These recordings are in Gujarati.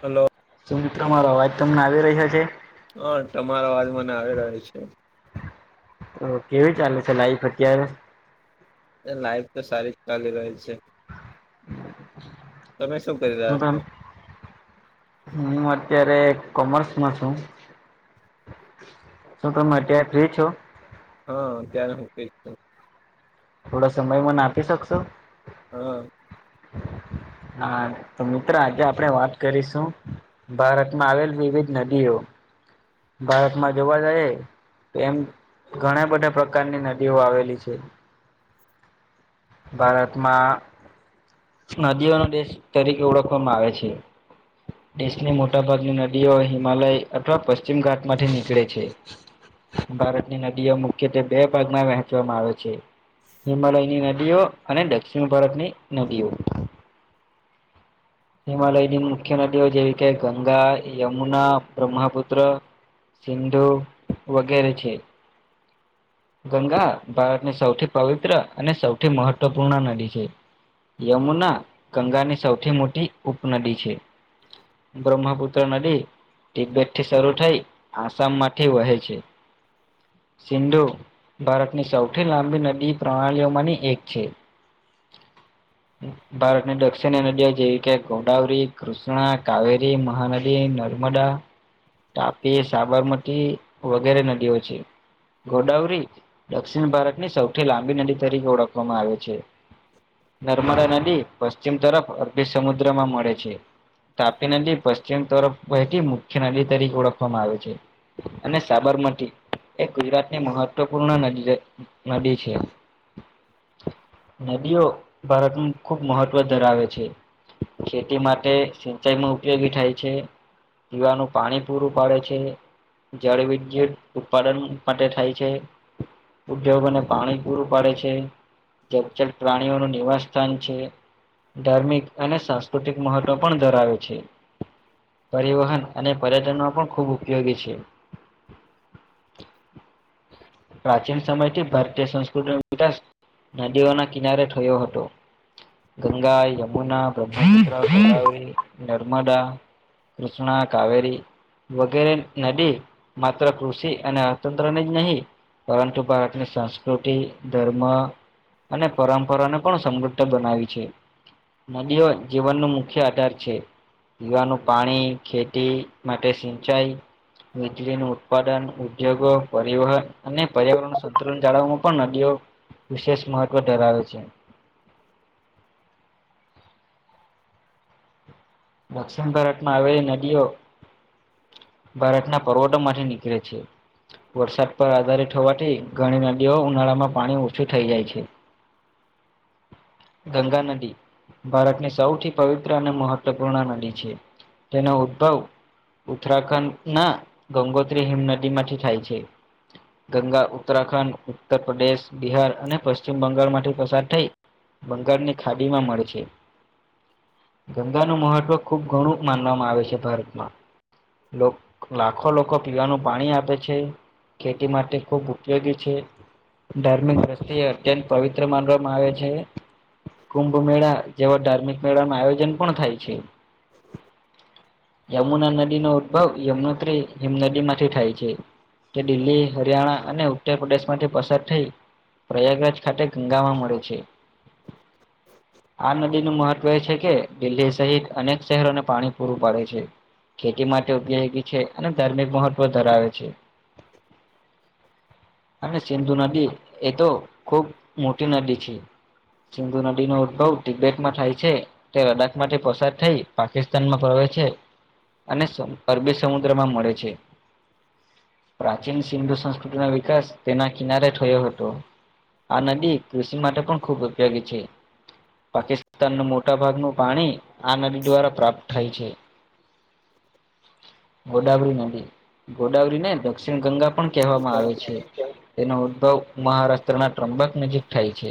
હલો શું મિત્ર મારો અવાજ તમને આવી રહ્યો છે? હહ તમારો અવાજ મને આવી રહ્યો છે. હહ કેવી ચાલે છે લાઈફ અત્યારે? લાઈફ તો સારી ચાલી રહી છે. હમ તમે શું કરી રહ્યા છો? હું અત્યારે કોમર્સમાં છું. શું તમે અત્યારે ફ્રી છો હા ત્યારે હું કશ છ થોડાો સમય મન આપી શકશો હહ હા તો મિત્ર આજે આપણેે વાત કરીશું. ભારતમાં આવેલ વિવિધ નદીઓ. ભારતમાં જોવા જાઈએ તે એમ ઘણા બધા પ્રકારની નદીઓ આવેલી છે. ભારતમાં નદીઓનો દેશ તરીકે ઓળખવામાં આવે છે. દેશની મોટાભાગની નદીઓ હિમાલય અથવા પશ્ચિમ ઘાટમાંથી નીકળે છે ભારતની નદીઓ મુખ્યત્વે બે ભાગમાં વહેંચવામાં આવે છે હિમાલયની નદીઓ અને દક્ષિણ ભારતની નદીઓ હિમાલયની મુખ્ય નદીઓ જેવી કે ગંગા યમુના બ્રહ્મપુત્ર સિંધુ વગેરે છે ગંગા ભારતની સૌથી પવિત્ર અને સૌથી મહત્વપૂર્ણ નદી છે યમુના ગંગાની સૌથી મોટી ઉપનદી છે બ્રહ્મપુત્ર નદી તબેટ થી શરૂ થઈ આસામ માંથી વહે છે સિંધુ ભારતની સૌથી લાંબી નદી પ્રણાલીઓમાંની એક છે [inaudible] ભારતની દક્ષિણી નદીઓ જેવી કે ગોદાવરી કૃષ્ણા કાવેરી મહાનદી ન વડા તાપી સાબરમતી વગેરે નદીઓ છે ગોદાવરી દક્ષિણ ભારતની સૌથી લાંબી નદી તરીકે ઓળખવામાં આવે છે નર્મદા નદી પશ્ચિમ તરફ અરબી સમુદ્રમાં મળે છે તાપી નદી પશ્ચિમ તરફ પથી મુખ્ય નદી તરીકે ઓળખવામાં આવે છે અને સાબરમતી એ ગુજરાતની મહત્વ પૂર્ણા ન નદી છે નદીઓ ભારતમાં ખુબ મહત્વ ધરાવે છે ખેતી માટે સિંચાઈમાં ઉપયોગી થાય છે પીવાનું પાણી પૂરું પડે છે જળ વિદ્યુત ઉત્પાદન માટે થાય છે ઉદ્યોગોને પાણી પૂરું પાડે છે જજટ પ્રાણીઓનું નિવાસ સ્થાન છે ધાર્મિક અને સાંસ્કૃતિક મહત્વ પણ ધરાવે છે પરિવહન અને પર્યટન ન પણ ખૂબ ઉપયોગી છે પ્રાચીન સમયથી ભારતીય સંસ્કૃતિનો વિકાસ નદીઓના કિનારે થયો હતો ગંગા યમુના બ્રહ્ નર્મદા કૃષ્ણ કાવરી વગેરે નદી માત્ર કૃષિ અને અર્થતંત્રની જ નહીં પરંતુ ભારતની સંસ્કૃતિ ધર્મ અને પરંપરાને પણ સમૃદ્ધ બનાવી છે નદીઓ જીવનનો મુખ્ય આધાર છે પીવાનું પાણી ખેતી માટે સિંચાઈ વીજળી ન ઉત્પાદન ઉદ્યોગો પરિવહન અને પર્યાવરણ સંત જાળવવામાં પણ નદીઓ વિશેષ મહત્વ ધરાવે છે દક્ષિણ ભારત માં આવેલી નદીઓ ભારતના પર્વતોો માંથી નીકળે છે વરસાદ પર આધારિત થ હોવાથી ઘણી નદીઓ ઉનાળા માં પાણી ઓછું થઈ જાય છે [inaudible] ગંગા નદી ભારતને સૌથી પવિત્ર અને મહત્ પૂર્ નદી છે તેનો ઉદ્ભવ ઉત્તરાખંડ ના ગંગોત્રી હિમ નદી માંથી થાય છે ગંગા ઉત્તરાખંડ ઉત્તર પ્રદેશ બિહાર અને પશ્ચિમ બંગાળ માંથી પસાર થઈ બંગર ને ખાડી માં મળે છે ા નું મહત્વ ખુબ ઘણું માનવામાં આવે છે ભારતમાં લાખો લોકો પીવાનું પાણી આપે છે ખેતી માટે ખૂબ ઉપયોગી છે. ધાર્મિક દ્રષ્ટિ અત્યંત પવિત્ર માનવામાં આવે છે. કુંભ મેળા જેવા ધાર્મિક મેળા માં આયોજન પણ થાય છે. [inaudible] યમુના નદી નો ઉદભવ યુનોત્રી હિમનદી માંથી થાય છે. કે દિલ્હી હરિયાણા અને ઉત્તર પ્રદેશ માંથી પસાર થઈ. પ્રયાગરાજ ખાતે ગંગામાં મળે છે. આ નદી નું મહત્વ એ છે કે. દિલ્હી સહિત અનેક શહેરોને પાણી પૂરું પાડે છે. ખેતી માટે ઉપયોગી છે અને ધાર્મિક મહત્વ ધરાવે છે. અને સિંધુ નદી એ તો ખૂબ મોટી નદી છે. સિંધુ નદી નો ઉદભવ તિબેટમાં થાય છે. તે લદ્ડાખ માટેથી પસાર થઈ પાકિસ્તાન માં પ્રવે છે. અને સ અરબી સમુદ્ર માં મળે છે. પ્રાચીન સિંધુ સંસ્કૃતિ નો વિકાસ તેના કિનારે થયો હતો. આ નદી કૃષિ માટે પણ ખૂબ ઉપયોગી છે પાકિસ્તાનના મોટા ભાગનું પાણી આ નદી દ્વારા પ્રાપ્ત થાય છે. ગોદાવરી નદી ગોદાવરી ને દક્ષિણ ગંગા પણ કહેવામાં આવે છે. એનો ઉદ્ભવ મહારાષ્ટ્ર ના ટ્રંબક નજીક થાય છે.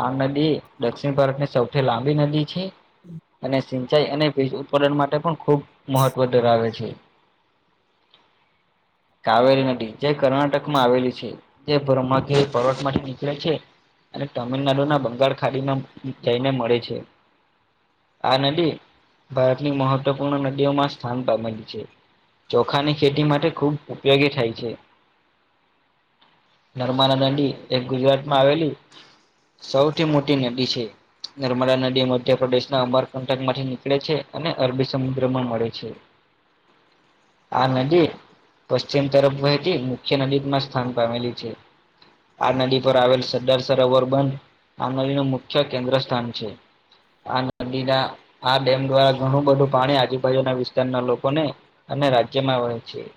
આ નદી દક્ષિણ ભારતની સૌથી લાંબી નદી છે. અને સિંચાઈ અને વિજ ઉત્પાદન માટે પણ ખૂબ મહત્વ ધરાવે છે્ [inaudible] [unintelligible] કાવેરી નદી જે કર્ણાટક માં આવેલી છે જે બ્રહ્માગીરી પર્વત માટેથી નીકળે છે. અને તમિલનાડુ ના બંગાળ ખાડીમાં જઈને મળે છે. આ નદી ભારતની મહત્વપૂર્ણ નદીઓમાં સ્થાન પામેલી છે. ચોખાની ખેતી માટે ખૂબ ઉપયોગી થાય છે. નર્મદા દાંડી એ ગુજરાત માં આવેલી. સૌથી મોટી નદી છે. નર્મદા નદી મધ્યપ્રદેશ ના અમરકંટક માંથી નીકળે છે અને અરબી સમુદ્રમાં મળે છે. [unintelligible] આ નદી. પશ્ચિમ તરફ વહેતી મુખ્ય નદીમાં સ્થાન પામેલી છે. આ નદી પર આવેલ સરદાર સરોવર બંધ આમ નદીનું મુખ્ય કેન્દ્ર સ્થાન છે. આ નદી ના આ ડેમ દ્વારા ઘણું બધું પાણી આજુબાજુના વિસ્તારના લોકોને અને રાજ્યમાં આવા છીએ.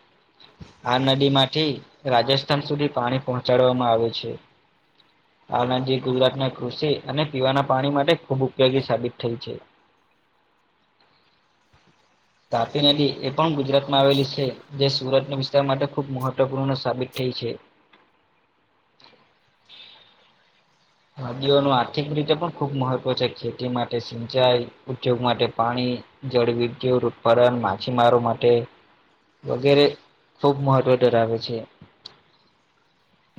આ નદી માંથી રાજસ્થાન સુધી પાણી પહોંચાડવામાં આવે છે. હાલ ગુજરાત ના કૃષિ અને પીવાના પાણી માટે ખુબ ઉપયોગી સાબિત થઈ છે. તાપી નદી એ પણ ગુજરાત માં આવેલી છે જે સુરત. તે માટે ખુબ મહત્વપૂર્ણ સાબિત થઈ છે. વાદીઓનું આર્થિક રીતે પણ ખૂબ મહત્વ છે ખેતી માટે સિંચાઈ ઉદ્યોગ માટે પાણી જળ વિદ્યુત ઉત્પાદન માછીમારો માટે. વગેરે ખૂબ મહત્વ ડરાવે છે.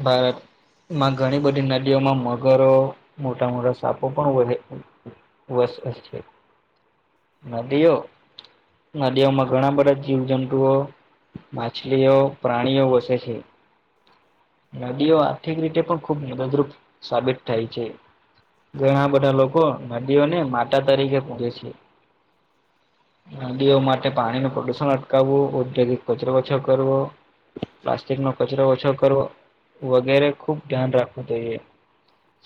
ભારતમાં ઘણી બધી નદીઓમાં માં. ઘરો મોટા મોટા સાપો પણ વધે વશે છે. નદીઓ નદીઓમાં ઘણા બધા જીવ જંતુઓ. માછલીઓ પ્રાણીઓ વસે છે. નદીઓ આર્થિક રીતે પણ ખૂબ મદદરૂપ સાબિત થાય છે ઘણા બધા લોકો- ભાડીઓને માતા તરીકે પૂરે છે. નદીઓ માટે પાણી નું પ્રદુષણ અટકાવવું ઔદ્યોગિક કચરો ઓછો કરવો. પ્લાસ્ટિક નો કચરો ઓછો કરવો. વગેરે ખુબ ધ્યાન રાખવું જોઈએ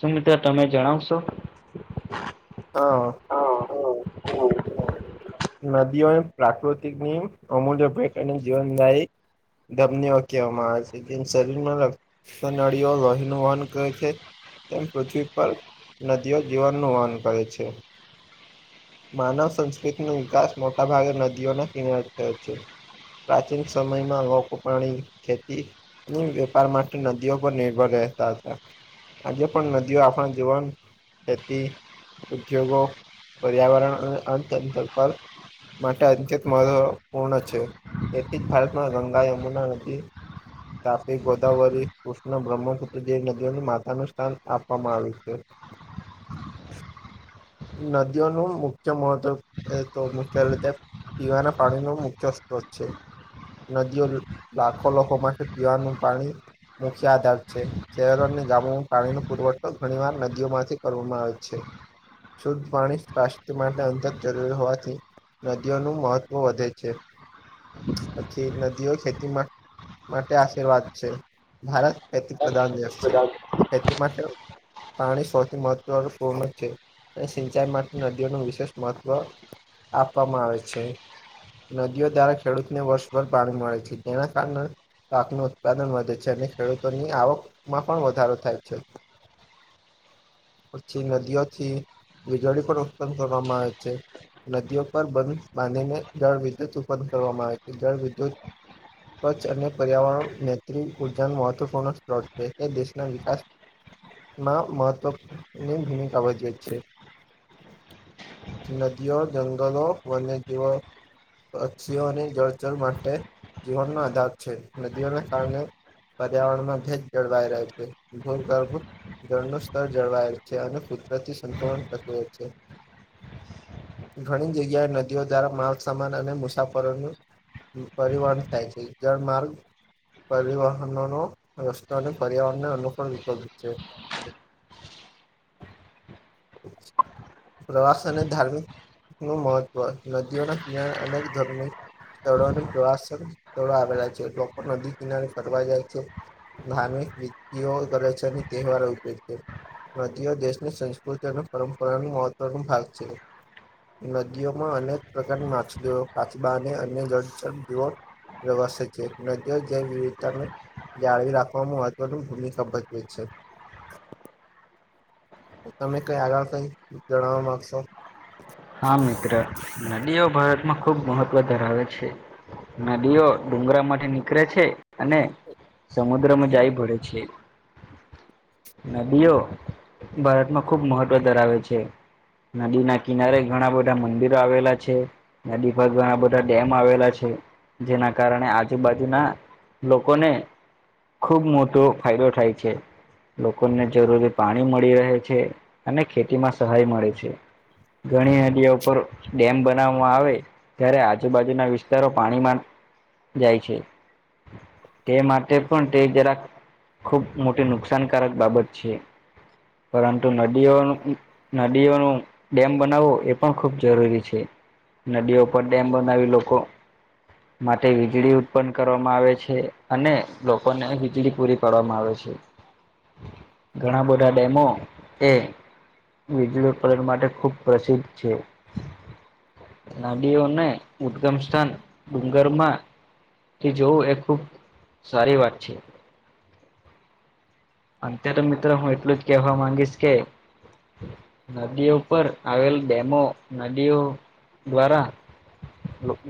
સુું મિત્ર તમે જણાવશો. હા હ. નદીઓની પ્રાકૃતિકની અમૂલ્ય ભેટ અને જીવનદાય. દમનીઓ કહેવામાં આવે છે કેમ શરીરમાં. સનળઓ લોહેનું વહન કરહે છે. તેમ પૃથ્વી પર નદીઓ જીવનનું વહન કરે છે. માનવ સંસ્કૃતિનો વિકાસ મોટાભાગે નદીઓના કિનારે થયો છે. પ્રાચીન સમયમાં લોકપણી ખેતી. વેપાર માટે નદીઓ પર નિર્ભર રહેતા હતા. આજે પણ નદીઓ આપણા જીવન ખેતી ઉદ્યોગો પર્યાવરણ અને અર્થ તંત્ર પર. માટે અત્યંત મહત્વપૂર્ણ છે તેથી જ ભારતમાં ગંગા યમુના નદી. તાપી ગોદાવરી કૃષ્ણ બ્રહ્મપુત્ર્રી જેવી નદીઓને માતા નું સ્થાન આપવામાં આવ્યું છે. નદીઓનું મુખ્ય મહત્વ તો મુખ્ય રીતે. પીવાના પાણીનો મુખ્ય સત્રોત છે. નદીઓ લાખો લોકો માટે પીવાનું પાણી મુખ્ય આધાર છે. શહેરો અને ગામોમાં પાણી ન પુરવઠો ઘણી વાર નદીઓમાંથી કરવામાં આવેયો છે. શુદ્ધ પાણી સ્પસ્્ય માટે અંતત જરૂરી હોવાથી. નદીઓનું મહત્વ વધે છે પછી નદીઓ ખેતીમાં- માટે આશીર્વાદ છે ભારત ખેતી પ્રધાન દેશ છે. ખેતી માટે- પાણી સૌથી મહત્વનું પૂર્ણ છે. સિંચાઈ માટે નદીઓ ન વિશેષ મહત્વ આપવામાં આવે છે. નદીઓ દ્વારા ખેડૂતને વર્ષભર પાણી મળે છે તેના કારણે- પાકનું ઉત્પાદન વધે છે અને ખેડૂતોની આવકમાં પણ વધારો થાય છે. પછી નદીઓથી વીજળી પણ ઉત્પન્ન કરવામાં આવે છે. નદીઓ પર બંધ બાંધને જળ વિદ્યુત ઉત્પન્ન કરવામાં આવે જળ વિદ્યુત આવે છે. સ્વચ્છ અને પર્યાવરણ મૈત્રી ઉર્જા ન મહત્વપૂર્ણ છે તે દેશના વિકાસ. મહત્વૂની ભૂમિકા ભજવે છે. [unintelligible] નદીઓ જંગલો વન્યજીવો- પક્ષીઓની જળચર માટે જીવનનો આધાર છે નદીઓને કારણે- પર્યાવરણમાં ભેદ જળવાાઈ રહ છે ભર કરુ- જળનું સ્તર જળવાયેલ છે. અને કુદરતી સંપુર્ણ પ્રક્રવે છે. ઘણી જગ્યાએ નદીઓ દ્વારા માવ સમાન અને મુસાફરોનું. પરિવહન થાય છે જળ માર્ગ- પરિવહનોનો રસ્તો અને પર્યાવરણને અનુકૂળ વિકલ્પ છે. પ્રવાસ અને ધાર્મિક- નું મહત્વ નદીઓના કિના અનેક ધર્મો- સ્થળો પ્રવાસ સ્થળો આવેલા છે. લોકો નદી કિનારે ફર જાય છે. ધાર્મિક વિધિ ઓ કરે છે અને તહેવારો ઉજવે છે. નદીઓ દેશની સંસ્કૃતિ અને પરંપરાનું મહત્વનો ભાગ છે. નદીઓમાં અનેક પ્રકારની માછલિયો કાચબા અને અન્ય જળ- વસે છેને જ્યો જય જીવતનું- જાળવી રાખવામાં મહત્વનું ભૂમિકા ભજવી છે. તમે કઈ આગળ કઈ જણાવવા માંગશો- હા મિત્ર નદીઓ ભારતમાં ખુબ મહત્વ ધરાવે છે નદીઓ ડુંગરા માંથી નીકળે છે અને સમુદ્રમાં જાય પડે છે નદીઓ ભારતમાં ખુબ મહત્વ ધરાવે છે નદી ના કિનારે- ઘણા બધા મંદિરો આવેલા છે. નદી પર ઘણા બધા ડેમ આવેલા છે. જેના કારણે આજુબાજુના લોકોને. ખુબ મોટો ફાયદો થાય છે. લોકોને જરૂરી પાણી મળી રહે છે. અને ખેતીમાં સહાય મળે છે. ઘણી નદીઓ ઉપર ડેમ બનાવવામાં આવે ત્યારે આજુબાજુના વિસ્તારો પાણીમાં- જાય છે તે માટે પણ તે જરાક ખુબ મોટી નુકસાનકારક બાબત છે પરંતુ નદીઓનું નદીઓનું ડ બનાવો એ પણ ખુબ જરૂરી છે નદીઓ પર ડેમ બનાવી લોકો માટે વીજળી ઉત્પન્ન કરવામાં આવે છે અને લોકોને વીજળી પૂરી પાડવામાં આવે છે હ ઘણા બધા ડેમો એ વિજુતત્પદન માટે ખુબ પ્રસિદ્ધ છે નાડીઓને ઉદગમ સ્થાન ડુંગરમાં કે જોવું એ ખુબ સારી વાત છે અત્યારે મિત્રો હું એટલું જ કેહેવા માંગીશ કે નદીઓ ઉપ આવેલ ડેમો નદીઓ દ્વારા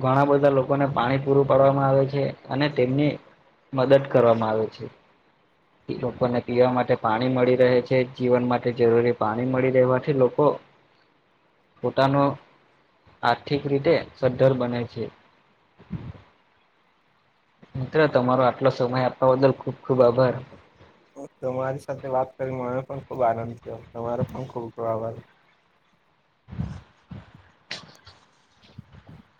ઘણા બધા લોકોને પાણી પૂરું પાડવામાં આવે છે અને તેમની મદદ કરવામાં આવે છે લોકોને પીવા માટે પાણી મળી રહે છે જીવન માટે જરૂરી પાણી મળી રહેવાથી લોકો પોતાનો આર્થિક રીતે સદ્ધર બને છે મિત્ર તમારો આટલો સમય આપવા બદલ ખુબ ખુબ આભાર તમારી સાથે વાત કરી મને પણ ખુબ આનંદ થયો તમારો પણ ખુબ પ્રભર [inaudible] [inaudible]